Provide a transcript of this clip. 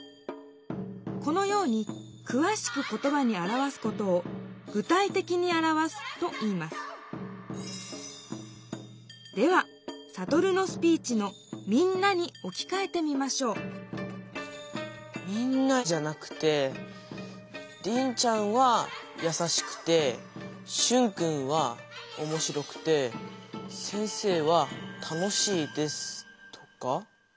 このようにくわしく言ばにあらわすことを「具体的にあらわす」といいますではサトルのスピーチの「みんな」におきかえてみましょう「みんな」じゃなくて「リンちゃんはやさしくてシュンくんはおもしろくて先生はたのしいです」とか？